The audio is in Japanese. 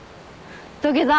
土下座。